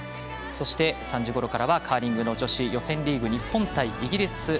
そして３時ごろからはカーリングの女子予選リーグ日本対イギリス。